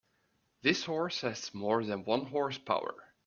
This horse has more than one horse power.